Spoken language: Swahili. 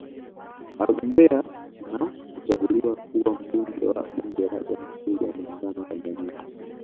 Aligombea na kuchaguliwa kuwa Mbunge wa Bunge la Jamhuri ya Muungano wa Tanzania